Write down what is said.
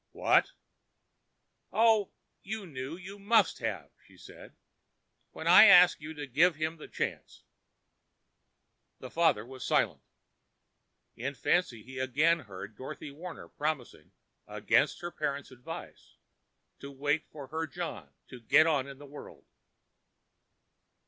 "What?" "Oh, you knew—you must have," she said, "when I asked you to give him the chance." The father was silent. In fancy he again heard Dolly Warner promising, against her parents' advice, to wait for her John to "get on in the world."